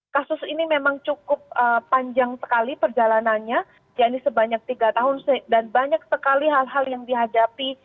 kasus ini memang cukup panjang sekali perjalanannya ya ini sebanyak tiga tahun dan banyak sekali hal hal yang dihadapi